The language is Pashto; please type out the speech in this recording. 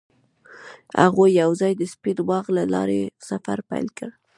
هغوی یوځای د سپین باغ له لارې سفر پیل کړ.